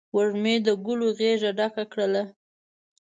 وږمې د ګلو غیږه ډکه کړله